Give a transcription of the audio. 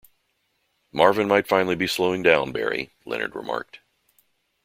"Marvin might finally be slowing down, Barry" Leonard remarked.